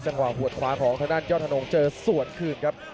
จังหวะหัวดขวาของทางด้านยอดธนงเจอส่วนคืนครับ